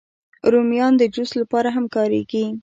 رومیان د جوس لپاره هم کارېږي